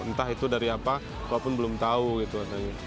entah itu dari apa walaupun belum tahu gitu